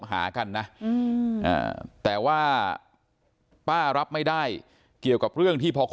ส่วนนางสุธินนะครับบอกว่าไม่เคยคาดคิดมาก่อนว่าบ้านเนี่ยจะมาถูกภารกิจนะครับ